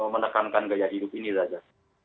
menekankan gaya hidup ini saja